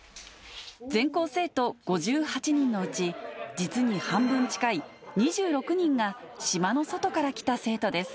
全校生徒５８人のうち、実に半分近い、２６人が、島の外から来た生徒です。